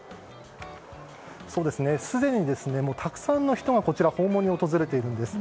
すでに、たくさんの人が訪問に訪れているんです。